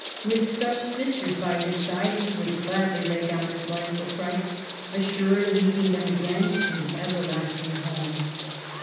With such sisters by his side he would gladly lay down his life for Christ, assured of meeting them again in the everlasting home.